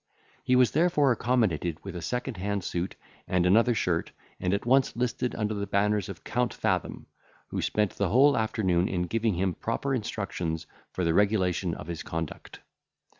He was therefore accommodated with a second hand suit and another shirt, and at once listed under the banners of Count Fathom, who spent the whole afternoon in giving him proper instructions for the regulation of his conduct.